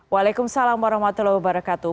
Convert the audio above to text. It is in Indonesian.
waalaikumsalam warahmatullahi wabarakatuh